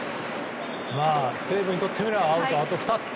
西武にとってみればアウトあと２つ。